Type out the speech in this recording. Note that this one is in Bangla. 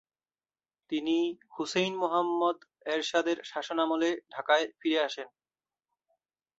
তিনি হুসেইন মুহাম্মদ এরশাদের শাসনামলে ঢাকায় ফিরে আসেন।